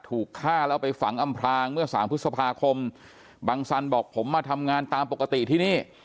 ถูกฆ่าแล้วไปฝังอำพลางเมื่อสามพฤษภาคมบังสันบอกผมมาทำงานตามปกติที่นี่